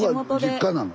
実家なの？